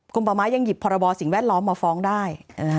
ป่าไม้ยังหยิบพรบสิ่งแวดล้อมมาฟ้องได้